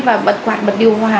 và bật quạt bật điều hòa